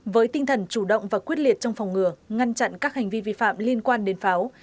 với tinh thần chủ động và quyết liệt trong phòng ngừa ngăn chặn các hành vi vi phạm liên quan đến pháo